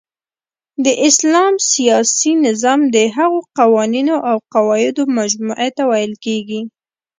د اسلام سیاسی نظام د هغو قوانینو اوقواعدو مجموعی ته ویل کیږی